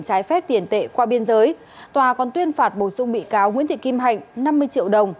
trái phép tiền tệ qua biên giới tòa còn tuyên phạt bổ sung bị cáo nguyễn thị kim hạnh năm mươi triệu đồng